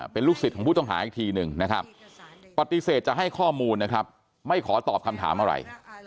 เป็นลูกศิษย์ของผู้ต้องหาอีกทีหนึ่งนะครับปฏิเสธจะให้ข้อมูลนะครับไม่ขอตอบคำถามอะไร